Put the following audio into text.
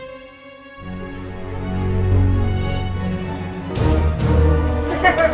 kita mulai sekarang